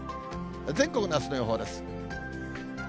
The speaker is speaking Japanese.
全国のあすの予報です。